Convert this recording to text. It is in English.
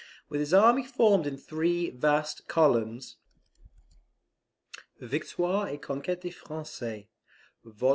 With his army formed in three vast columns, [Victoires et Conquetes des Francais, vol.